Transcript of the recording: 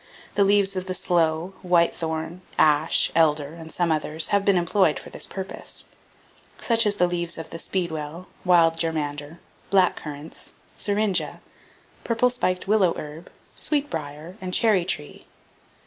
The leaves of the sloe, white thorn, ash, elder, and some others, have been employed for this purpose; such as the leaves of the speedwell, wild germander, black currants, syringa, purple spiked willow herb, sweet brier, and cherry tree.